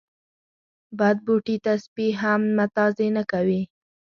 بد بوټي ته سپي هم متازې نه کوي.